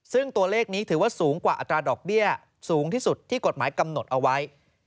ซึ่งตัวเลขนี้ถือว่าสูงกว่าอัตราดอกเบี้ยสูงที่สุดที่กฎหมายกำหนดเอาไว้